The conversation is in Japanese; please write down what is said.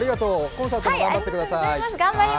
コンサートも頑張ってください。